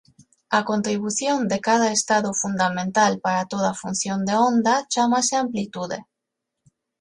A contribución de cada estado fundamental para toda función de onda chámase amplitude.